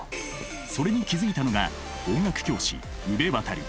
それに気付いたのが音楽教師宇部渉。